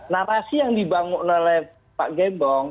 narasi yang dibangun oleh pak gembong